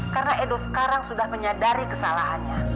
karena edo sekarang sudah menyadari kesalahannya